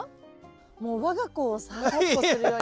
もう我が子をだっこするように。